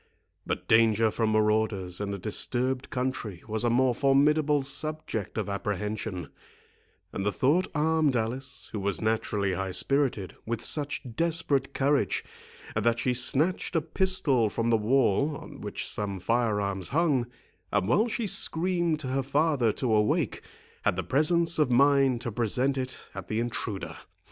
But danger from maurauders in a disturbed country was a more formidable subject of apprehension, and the thought armed Alice, who was naturally high spirited, with such desperate courage, that she snatched a pistol from the wall, on which some fire arms hung, and while she screamed to her father to awake, had the presence of mind to present it at the intruder.